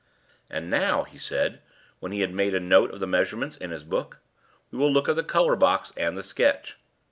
"And now," he said, when he had made a note of the measurements in his book, "we will look at the colour box and the sketch.